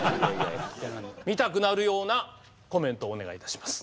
見たくなるようなコメントをお願いいたします。